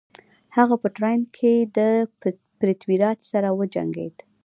هغه په تراین کې د پرتیوي راج سره وجنګید.